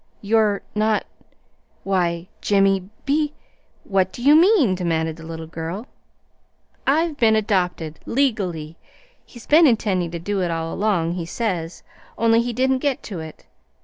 "You're not Why, Jimmy Be What do you mean?" demanded the little girl. "I've been adopted, LEGALLY. He's been intending to do it, all along, he says, only he didn't get to it.